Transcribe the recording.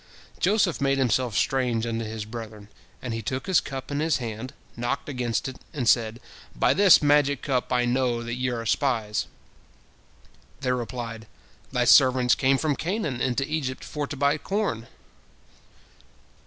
" Joseph made himself strange unto his brethren, and he took his cup in his hand, knocked against it, and said, "By this magic cup I know that ye are spies." They replied, "Thy servants came from Canaan into Egypt for to buy corn."